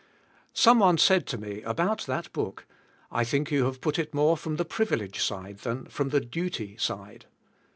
Some one said to me, about that book, "I think you have put it more from the privilege side than from the duty side.